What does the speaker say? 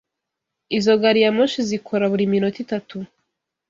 Izo gari ya moshi zikora buri minota itatu.